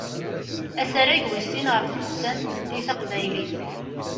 Asarag wis sin ɣef tuddsa n tmetti taqbaylit.